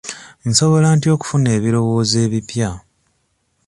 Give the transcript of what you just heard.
Nsobola ntya okufuna ebirowoozo ebipya?